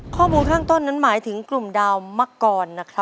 ข้อมูลข้างต้นนั้นหมายถึงกลุ่มดาวมังกรนะครับ